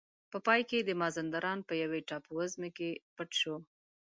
په پای کې د مازندران په یوې ټاپو وزمې کې پټ شو.